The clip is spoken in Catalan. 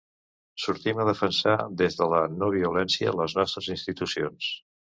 Sortim a defensar des de la no-violència les nostres institucions.